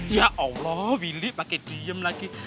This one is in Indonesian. ya allah willy pakai diem lagi